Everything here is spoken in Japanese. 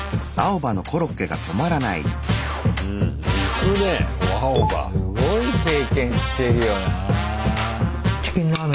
すごい経験してるよな。